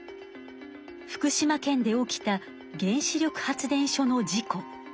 福島県で起きた原子力発電所の事故。